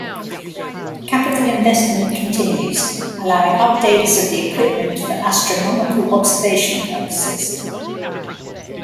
Capital investment continues, allowing updates of the equipment for astronomical observation purposes.